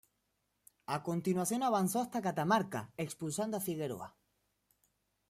A continuación avanzó hasta Catamarca, expulsando a Figueroa.